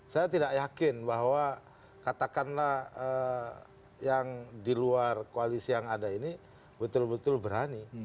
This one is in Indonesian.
saya tidak yakin bahwa katakanlah yang di luar koalisi yang ada ini betul betul berani